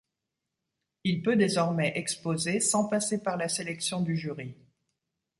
Il peut désormais exposer sans passer par la sélection du jury.